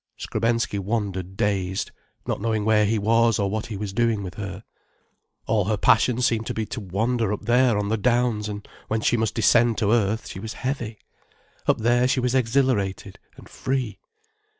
Skrebensky wandered dazed, not knowing where he was or what he was doing with her. All her passion seemed to be to wander up there on the downs, and when she must descend to earth, she was heavy. Up there she was exhilarated and free.